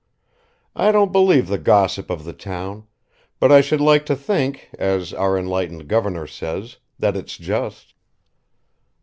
I don't believe the gossip of the town, but I should like to think, as our enlightened governor says, that it's just."